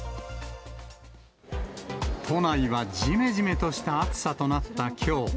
都内はじめじめとした暑さとなったきょう。